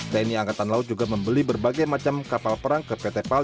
tni angkatan laut juga membeli berbagai macam kapal perang ke pt pal